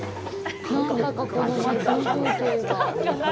なんだかこの町の風景が。